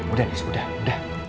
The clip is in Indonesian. udah nis udah udah